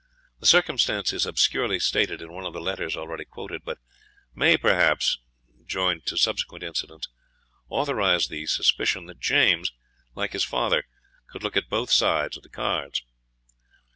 The circumstance is obscurely stated in one of the letters already quoted, but may perhaps, joined to subsequent incidents, authorise the suspicion that James, like his father, could look at both sides of the cards.